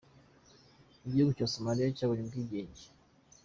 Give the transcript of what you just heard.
Igihugu cya Somalia cyabonye ubwigenge.